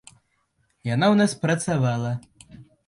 Яна ў нас працавала.